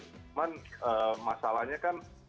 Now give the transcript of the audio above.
cuman masalahnya kan